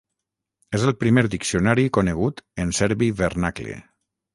És el primer diccionari conegut en serbi vernacle.